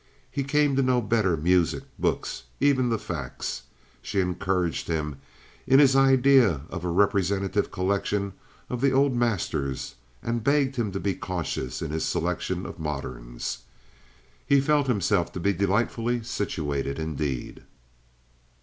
He came to know better music, books, even the facts. She encouraged him in his idea of a representative collection of the old masters, and begged him to be cautious in his selection of moderns. He felt himself to be delightfully situated indeed.